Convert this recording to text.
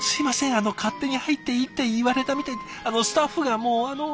あの勝手に入っていいって言われたみたいであのスタッフがもうあの。